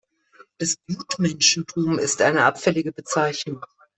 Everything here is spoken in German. Das Gutmenschentum ist eine abfällige Bezeichnung.